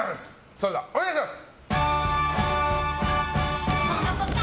それではお願いします。